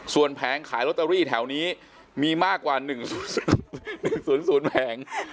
ส่วนแผงขายลอตเตอรี่แถวนี้มีมากกว่า๑๐๐แผง